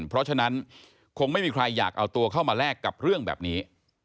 เพราะฉะนั้นคงไม่มีใครอยากเอาตัวเข้ามาแลกกับเรื่องแบบนี้